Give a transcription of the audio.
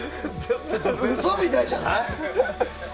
嘘みたいじゃない。